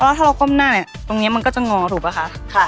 ถ้าเราก้มหน้าเนี่ยตรงนี้มันก็จะงอถูกป่ะคะ